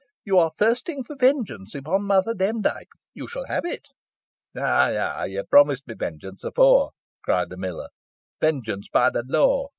"You are thirsting for vengeance upon Mother Demdike. You shall have it." "Eigh, eigh, you promised me vengeance efore," cried the miller "vengeance by the law.